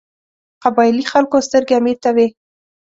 قبایلي خلکو سترګې امیر ته وې.